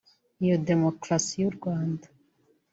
Iyo demukrasi yurwanda